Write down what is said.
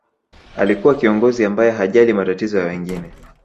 alikuwa kiongozi ambaye hajali matatizo ya wengine